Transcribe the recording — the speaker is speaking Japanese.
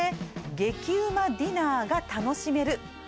激ウマディナーが楽しめる○